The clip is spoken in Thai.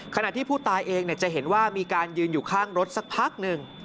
ขณะที่ผู้ตายเองจะเห็นว่ามีการยืนอยู่ข้างรถสักพักหนึ่ง